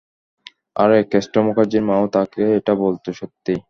আরে কেষ্ট মুখার্জির মাও তাঁকে এটা বলতো, - সত্যিই?